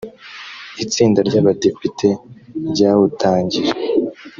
itsinda ry abadepite ryawutangije